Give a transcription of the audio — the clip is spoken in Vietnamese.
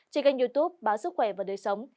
trên kênh youtube báo sức khỏe và đời sống